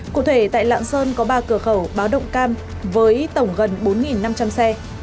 cụ thể tại lạng sơn có ba cửa khẩu báo động cam với tổng gần bốn năm trăm linh xe